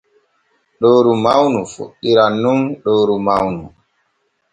Ɗoyru mawnu fuɗɗiran nun ɗoyru mawnu.